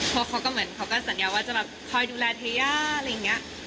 เพราะเขาก็เหมือนเขาก็สัญญาว่าจะแบบคอยดูแลเทย่าอะไรอย่างนี้